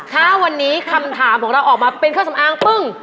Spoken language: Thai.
ถ้าวันนี้คำถามของเราออกมาเป็นเครื่องสำอางปึ้ง